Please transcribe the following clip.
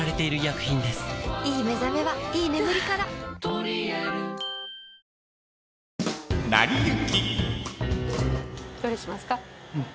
どれにしますか？